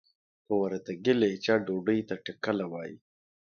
په وردګي لهجه ډوډۍ ته ټکله وايي.